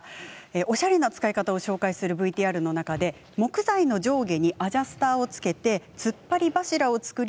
おしゃれな使い方を紹介するＶＴＲの中で木材の上下にアジャスターを付けてつっぱり柱を作り